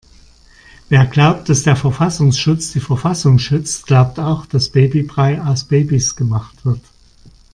Wer glaubt, dass der Verfassungsschutz die Verfassung schützt, glaubt auch dass Babybrei aus Babys gemacht wird.